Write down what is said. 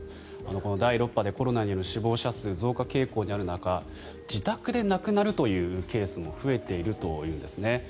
この第６波でコロナによる死亡者数増加傾向にある中自宅で亡くなるというケースも増えているというんです。